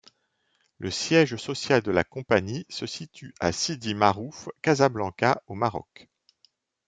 Le siège social de la compagnie se situe à Sidi Maârouf, Casablanca au Maroc.